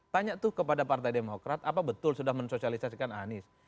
tanya tuh kepada partai demokrat apa betul sudah mensosialisasikan anies